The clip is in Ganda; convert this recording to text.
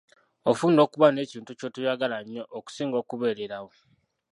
Ofunda okuba n’ekintu ky’otoyagala nnyo okusinga okubeererawo.